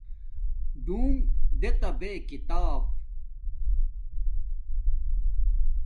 ڈون دیتا بے کتاب